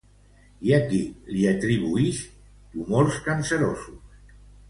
Hi ha qui li atribuïx tumors cancerosos.